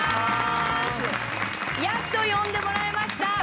やっと呼んでもらえました！